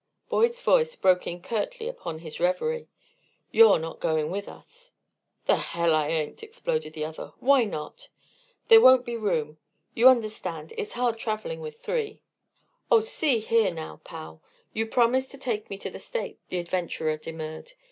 Boyd's voice broke in curtly upon his revery. "You're not going with us." "The hell I ain't!" exploded the other. "Why not?" "There won't be room. You understand it's hard travelling with three." "Oh, see here, now, pal! You promised to take me to the States," the adventurer demurred.